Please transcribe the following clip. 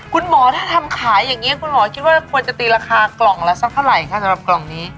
คุณหมอถ้าทำขายอย่างนี้คุณหมอคิดว่าควรจะตีราคากล่องละสักเท่าไหร่คะสำหรับกล่องนี้